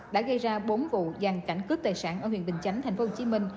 đã gây ra bốn vụ giàn cảnh cướp tài sản ở huyện bình chánh thành phố hồ chí minh